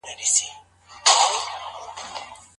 ميرمن تر طلاق وروسته د ليوره سره نکاح کولای سي؟